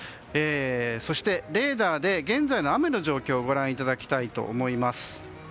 そして、レーダーで現在の雨の状況をご覧いただきたいと思います。